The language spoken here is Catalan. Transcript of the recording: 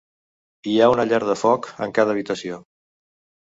Hi ha una llar de foc en cada habitació.